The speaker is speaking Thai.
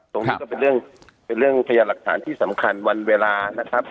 ตรงนี้ก็เป็นเรื่องเป็นเรื่องพยานหลักฐานที่สำคัญวันเวลานะครับ